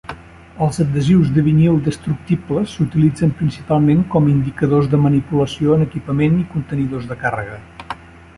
Els adhesius de vinil destructibles s'utilitzen principalment com indicadors de manipulació en equipament i contenidors de càrrega.